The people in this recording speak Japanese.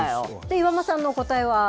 岩間さんのお答えは。